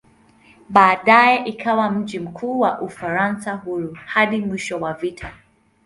Baadaye ikawa mji mkuu wa "Ufaransa Huru" hadi mwisho wa vita.